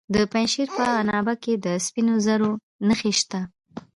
د پنجشیر په عنابه کې د سپینو زرو نښې شته.